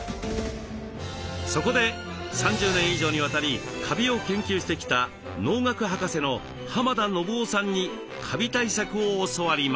そこで３０年以上にわたりカビを研究してきた農学博士の浜田信夫さんにカビ対策を教わります。